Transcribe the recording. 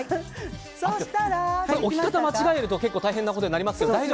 ひとたび間違えると大変なことになります。